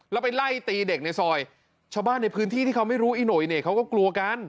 แล้วไปไล่ตีเด็กในซอยชาวบ้านในพื้นที่ที่เขาไม่รู้อีโหยเนี่ยเขาก็กลัวกัน